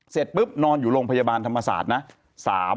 เสร็จปุ๊บนอนอยู่โรงพยาบาลธรรมศาสตร์นะ